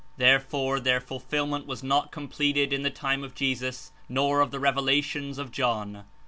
Therefore, their fulfillment was not completed in the time of Jesus nor of the Revelations of John.